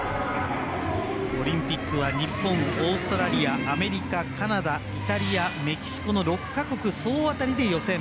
オリンピックは日本、オーストラリアアメリカ、カナダ、イタリアメキシコの６か国総当たりで予選。